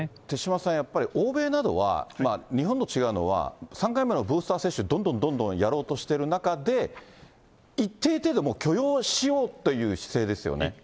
手嶋さん、欧米などは日本と違うのは、３回目のブースター接種、どんどんどんどんやろうとしている中で、一定程度、もう許容しようという姿勢ですよね。